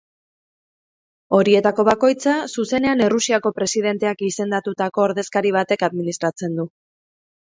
Horietako bakoitza, zuzenean Errusiako presidenteak izendatutako ordezkari batek administratzen du.